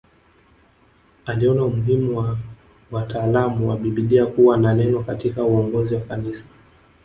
Aliona umuhimu wa wataalamu wa Biblia kuwa na neno katika uongozi wa kanisa